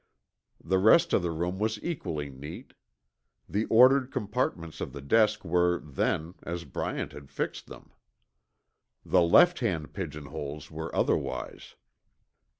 The rest of the room was equally neat. The ordered compartments of the desk were, then, as Bryant had fixed them. The lefthand pigeonholes were otherwise.